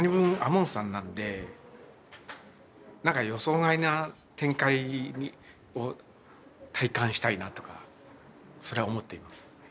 門さんなのでなんか予想外な展開を体感したいなぁとかそれは思っています。